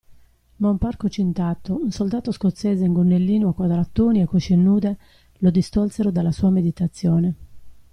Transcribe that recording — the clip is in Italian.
Ma un parco cintato, un soldato scozzese in gonnellino a quadratoni e cosce nude, lo distolsero dalla sua meditazione.